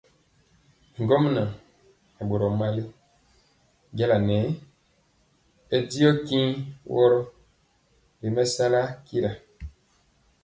Bi ŋgomnaŋ nɛ boro mali, y jala nɛɛ bɛ diɔ tiŋg woro ri mɛsala ntira.